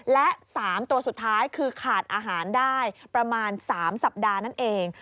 และ๓ตัวสุดท้ายคือขาดอาหารได้ประมาณ๓สัปดาห์นั่นเอง